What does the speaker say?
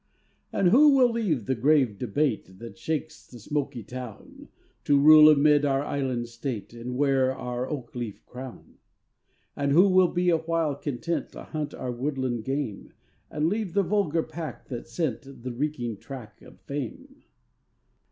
And who will leave the grave debate That shakes the smoky town, To rule amid our island state, And wear our oak leaf crown? And who will be awhile content To hunt our woodland game, And leave the vulgar pack that scent The reeking track of fame?